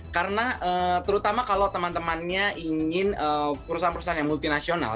karena terutama kalau teman temannya ingin perusahaan perusahaan yang multi nasional